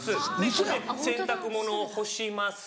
そこで洗濯物を干します。